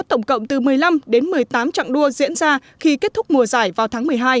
tổng cộng từ một mươi năm đến một mươi tám trạng đua diễn ra khi kết thúc mùa giải vào tháng một mươi hai